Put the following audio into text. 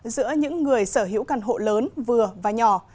giữa những người sở hữu căn hộ lớn vừa và nhỏ